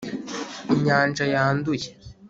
inyanja yanduye